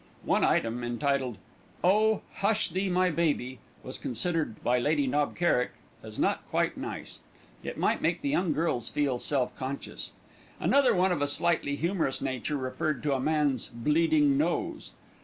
One item, entitled "Oh! Hush Thee My Baby," was considered by Lady Knob Kerrick as not quite nice; it might make the young girls feel self conscious. Another one of a slightly humorous nature referred to a man's "bleeding nose."